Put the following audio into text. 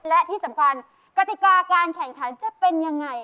และที่สำคัญกติกาการแข่งขันจะเป็นยังไง